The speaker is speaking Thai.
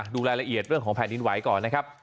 ดูรายละเอียดเรื่องของแผ่นดินไหวก่อนนะครับ